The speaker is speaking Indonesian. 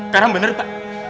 karam bener kak